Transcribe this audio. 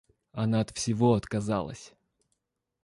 Она от всего отказалась.